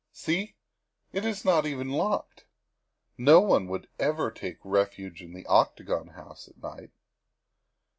" See, it is not even locked. No one would ever take refuge in the Octagon House at night.